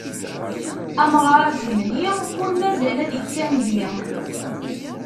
Amɣar azemni ur mazal ad ittandi.